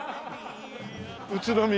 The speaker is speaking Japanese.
宇都宮。